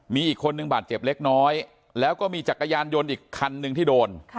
มีอีกคนนึงบาดเจ็บเล็กน้อยแล้วก็มีจักรยานยนต์อีกคันหนึ่งที่โดน